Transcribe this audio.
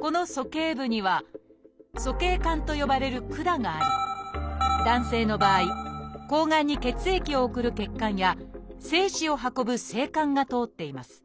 この鼠径部には「鼠径管」と呼ばれる管があり男性の場合睾丸に血液を送る血管や精子を運ぶ精管が通っています